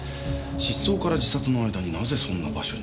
失踪から自殺の間になぜそんな場所に？